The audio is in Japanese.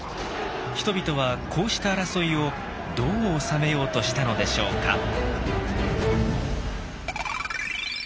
人々はこうした争いをどう収めようとしたのでしょうか。